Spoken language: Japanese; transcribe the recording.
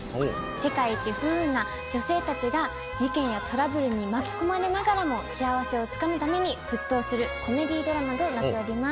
世界一不運な女性たちが事件やトラブルに巻き込まれながらも幸せをつかむために奮闘するコメディードラマとなっております。